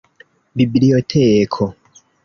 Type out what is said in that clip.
biblioteko